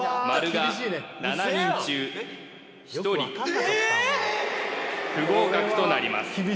○が７人中１人不合格となります